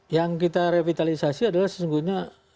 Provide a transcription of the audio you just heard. yang kita revitalisasi adalah sesungguhnya